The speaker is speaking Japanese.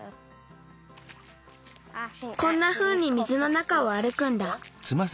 こんなふうに水の中をあるくんだ。